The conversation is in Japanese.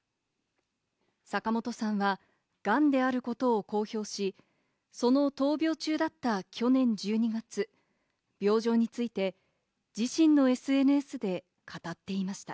坂本さんはがんであることを公表し、その闘病中だった去年１２月、病状について自身のＳＮＳで語っていました。